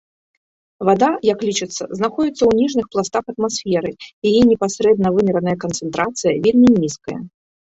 Вада, як лічыцца, знаходзіцца ў ніжніх пластах атмасферы, яе непасрэдна вымераная канцэнтрацыя вельмі нізкая.